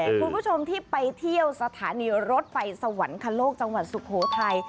คุณผู้ชมที่ไปเที่ยวสถานีรถไฟสวรรคโลกจังหวัดสุโขทัย